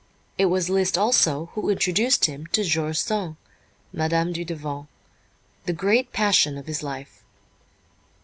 It was Liszt also who introduced him to George Sand (Mme. Dudevant), the great passion of his life.